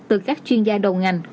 từ các chuyên gia đầu ngành